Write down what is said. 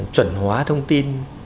chuẩn hóa thông tin